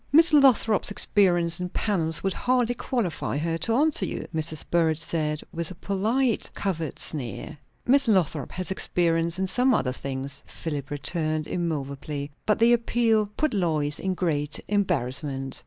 "Miss Lothrop's experience in panels would hardly qualify her to answer you," Mrs. Burrage said, with a polite covert sneer. "Miss Lothrop has experience in some other things," Philip returned immoveably. But the appeal put Lois in great embarrassment.